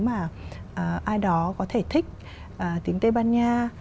ai đó có thể thích tiếng tây ban nha